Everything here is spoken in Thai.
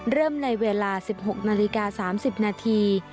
เริ่มในเวลาสิบหกนาฬิกาสามสิบนาที